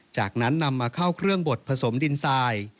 จากนั้นนำมาเข้าเครื่องบดผสมดินทราย